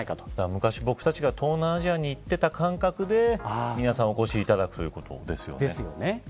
昔、ぼくたちが東南アジアに行っていた感覚で皆さんお越しいただくということですよね。